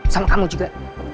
sama kamu juga